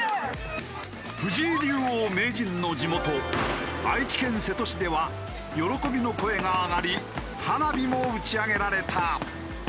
藤井竜王・名人の地元愛知県瀬戸市では喜びの声が上がり花火も打ち上げられた。